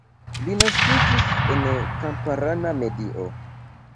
Li naskiĝis en kamparana medio.